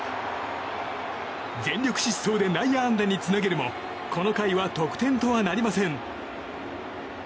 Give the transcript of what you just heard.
全力疾走で内野安打につなげるもこの回は得点とはなりません。